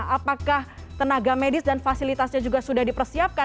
apakah tenaga medis dan fasilitasnya juga sudah dipersiapkan